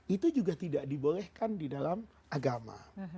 itu juga tidak dibolehkan di dalam agama